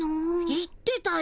言ってたよ。